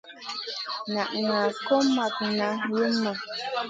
Nak ŋaʼa kò ma nak luma.